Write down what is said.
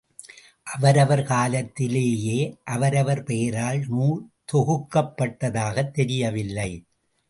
அவரவர் காலத்திலேயே அவரவர் பெயரால் நூல் தொகுக்கப்பட்டதாகத் தெரியவில்லை.